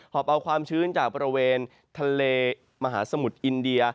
อบเอาความชื้นจากบริเวณทะเลมหาสมุทรอินเดีย